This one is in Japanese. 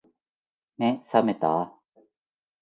目、さめた？